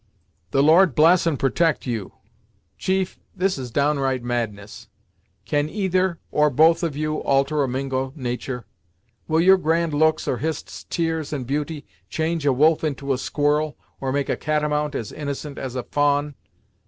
"The Lord bless and protect you! Chief, this is downright madness. Can either, or both of you, alter a Mingo natur'? Will your grand looks, or Hist's tears and beauty, change a wolf into a squirrel, or make a catamount as innocent as a fa'an?